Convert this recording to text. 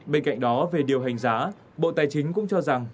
bên cạnh đó về điều hành giá bộ tài chính cũng cho rằng